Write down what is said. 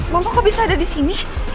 mama kok bisa ada disini